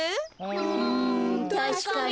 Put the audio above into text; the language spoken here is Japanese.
うんたしかに。